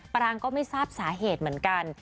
ปรางก็ไม่ทราบสาเหตุเหมือนกัน